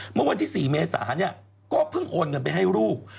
เมื่อวันที่๔เมษาเนี่ยก็เพิ่งโอนเงินไปให้ลูก